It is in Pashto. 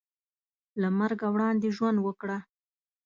له مرګه وړاندې ژوند وکړه .